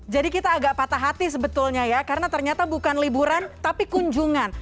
kita agak patah hati sebetulnya ya karena ternyata bukan liburan tapi kunjungan